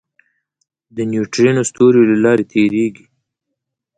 د نیوټرینو ستوري له لارې تېرېږي.